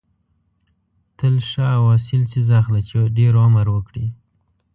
تل ښه او اصیل څیز اخله چې ډېر عمر وکړي.